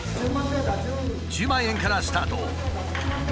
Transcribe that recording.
１０万円からスタート。